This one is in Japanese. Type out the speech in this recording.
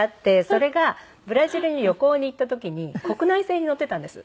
それがブラジルに旅行に行った時に国内線に乗っていたんです。